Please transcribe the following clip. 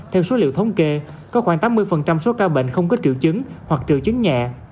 theo số liệu thống kê có khoảng tám mươi số ca bệnh không có triệu chứng hoặc triệu chứng nhẹ